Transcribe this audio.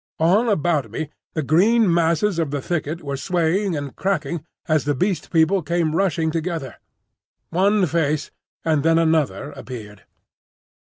All about me the green masses of the thicket were swaying and cracking as the Beast People came rushing together. One face and then another appeared.